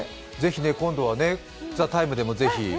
今度は「ＴＨＥＴＩＭＥ，」でもぜひ。